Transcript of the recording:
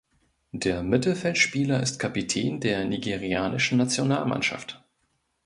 Der Mittelfeldspieler ist Kapitän der nigerianischen Nationalmannschaft.